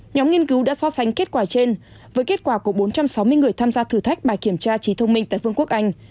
nhóm nghiên cứu đã so sánh kết quả trên với kết quả của bốn trăm sáu mươi người tham gia thử thách bài kiểm tra trí thông minh tại vương quốc anh